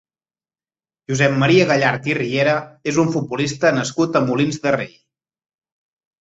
Josep Maria Gallart i Riera és un futbolista nascut a Molins de Rei.